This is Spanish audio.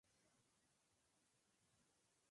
Realizó sus estudios en Inglaterra.